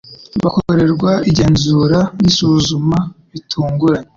bakorerwa ingenzura n isuzuma bitunguranye